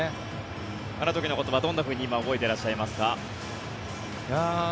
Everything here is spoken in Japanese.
あの時のことはどんなふうに今、覚えていらっしゃいますか。